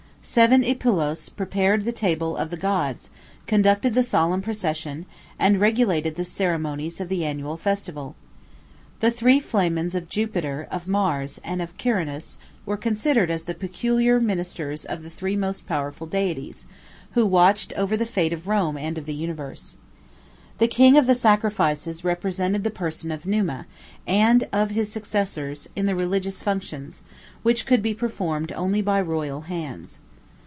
4 Seven Epulos prepared the table of the gods, conducted the solemn procession, and regulated the ceremonies of the annual festival. The three Flamens of Jupiter, of Mars, and of Quirinus, were considered as the peculiar ministers of the three most powerful deities, who watched over the fate of Rome and of the universe. The King of the Sacrifices represented the person of Numa, and of his successors, in the religious functions, which could be performed only by royal hands.